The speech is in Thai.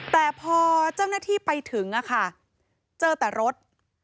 แต่พอเจ้าหน้าที่ไปถึงเจอแต่รถ